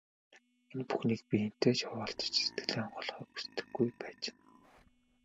Энэ бүхнийг би хэнтэй ч хуваалцаж, сэтгэлээ онгойлгохыг хүсдэггүй байж.